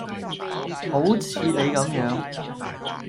好似你咁樣